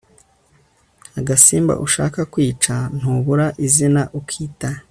agasimba ushaka kwica ntubura izina ukita